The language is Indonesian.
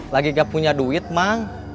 lagi gak punya duit mang